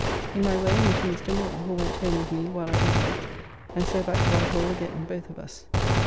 In my way meeting Mr. Moore, who went home with me while I ate a bit and so back to Whitehall again, both of us.